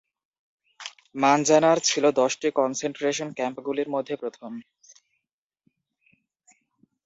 মাঞ্জানার ছিল দশটি কনসেনট্রেশন ক্যাম্পগুলির মধ্যে প্রথম।